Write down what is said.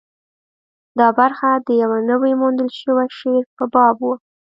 دا برخه د یوه نوي موندل شوي شعر په باب وه.